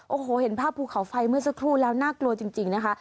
โอ้โหเห็นภาพภูเขาไฟเมื่อสักครู่แล้วน่ากลัวจริงนะคะ